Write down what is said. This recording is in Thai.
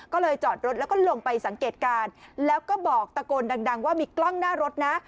ก็เลยจอดรถแล้วก็ลงไปสังเกตการณ์แล้วก็บอกตะโกนดังว่ามีกล้องหน้ารถนะ